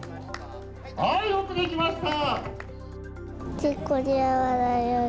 はい、よくできました。